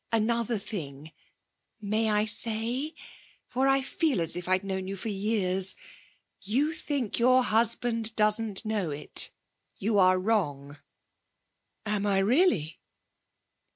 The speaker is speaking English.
Another thing may I say? for I feel as if I'd known you for years. You think your husband doesn't know it. You are wrong.' 'Am I really?'